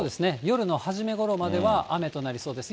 夜の初めごろまでは雨となりそうです。